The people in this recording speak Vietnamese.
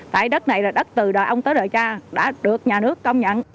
tại đất này là đất từ đời ông tới đời cha đã được nhà nước công nhận